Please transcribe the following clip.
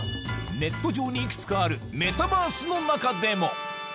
ネット上にいくつかあるメタバースの中でも。